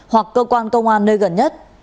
hoặc cơ quan công an nơi gần nhất